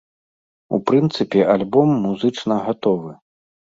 У прынцыпе альбом музычна гатовы.